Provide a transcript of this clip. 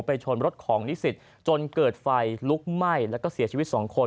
ชนรถของนิสิตจนเกิดไฟลุกไหม้แล้วก็เสียชีวิตสองคน